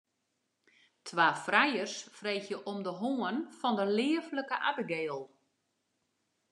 Twa frijers freegje om de hân fan de leaflike Abigail.